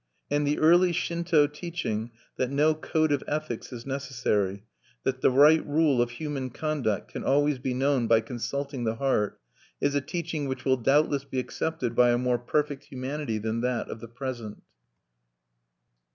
And the early Shinto teaching, that no code of ethics is necessary, that the right rule of human conduct can always be known by consulting the heart, is a teaching which will doubtless be accepted by a more perfect humanity than that of the present.